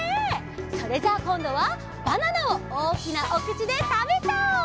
それじゃあこんどはバナナをおおきなおくちでたべちゃおう！